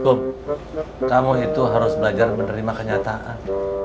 bu kamu itu harus belajar menerima kenyataan